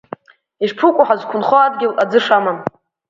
Ишԥыкәу ҳазқәынхо адгьыл аӡы шамам!